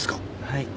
はい。